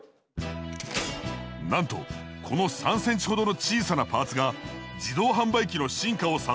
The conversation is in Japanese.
なんとこの３ｃｍほどの小さなパーツが自動販売機の進化を支えていたのだ！